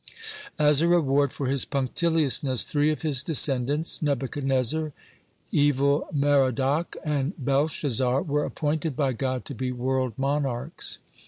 As a reward for his punctiliousness, three of his descendants, Nebuchadnezzar, Evil merodach, and Belshazzar, were appointed by God to be world monarchs.